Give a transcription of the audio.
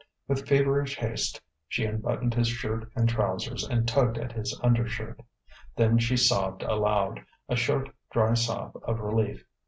With feverish haste she unbuttoned his shirt and trousers and tugged at his undershirt. Then she sobbed aloud, a short, dry sob of relief.